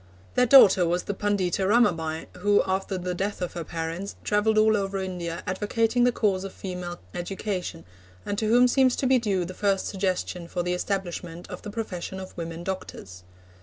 Their daughter was the Pundita Ramabai, who, after the death of her parents, travelled all over India advocating the cause of female education, and to whom seems to be due the first suggestion for the establishment of the profession of women doctors.